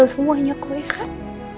kalau semua hanya kue kan